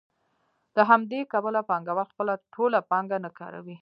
له همدې کبله پانګوال خپله ټوله پانګه نه کاروي